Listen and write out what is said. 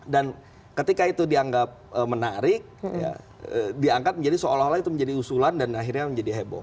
dan ketika itu dianggap menarik dianggap menjadi seolah olah itu menjadi usulan dan akhirnya menjadi heboh